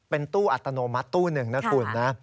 เป็นตู้อัตโนมัติตู้หนึ่งนะคุณนะ